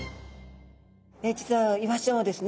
実はイワシちゃんはですね